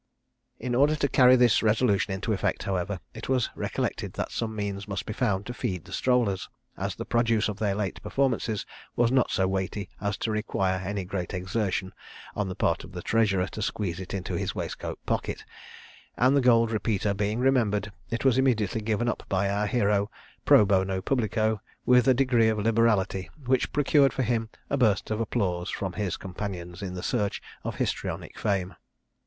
In order to carry this resolution into effect, however, it was recollected that some means must be found to feed the strollers, as the produce of their late performances was not so weighty as to require any great exertion on the part of the treasurer to squeeze it into his waistcoat pocket; and the gold repeater being remembered, it was immediately given up by our hero, pro bono publico, with a degree of liberality which procured for him a burst of applause from his companions in the search of histrionic fame.